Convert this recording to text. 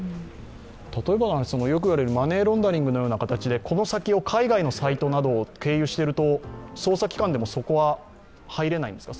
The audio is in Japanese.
例えば、よくあるマネーロンダリングのような形でこの先を海外のサイトなどを経由していると、捜査機関でもそこは入れないんですか。